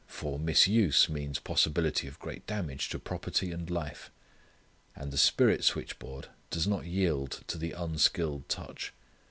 For misuse means possibility of great damage to property and life. And the spirit switchboard does not yield to the unskilled touch.